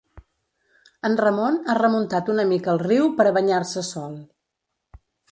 En Ramon ha remuntat una mica el riu per a banyar-se sol.